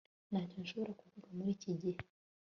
ntacyo nshobora kuvuga muri iki gihe